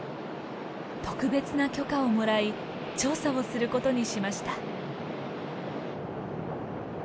特別な許可をもらい調査をすることにしました。